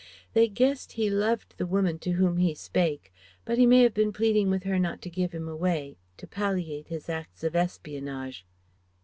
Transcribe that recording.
They guessed he loved the woman to whom he spake, but he may have been pleading with her not to give him away, to palliate his acts of espionage.